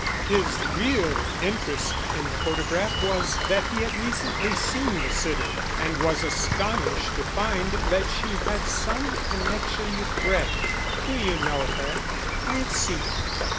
His real interest in the photograph was that he had recently seen the sitter, and was astonished to find that she had some connection with Brett. "Do you know her?" "I have seen her.